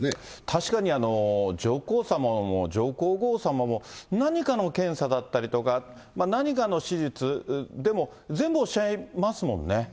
確かに上皇さまも上皇后さまも、何かの検査だったりとか、何かの手術でも、全部おっしゃいますもんね。